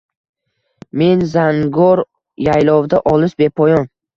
Men — zangor yaylovda olis, bepoyon